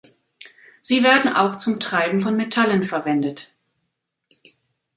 Sie werden auch zum Treiben von Metallen verwendet.